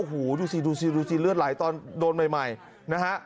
โอ้โหดูสิดูสิเลือดไหลตอนโดนใหม่นะฮะ